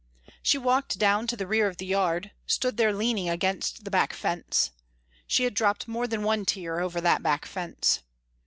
She walked down to the rear of the yard, stood there leaning against the back fence. She had dropped more than one tear over that back fence.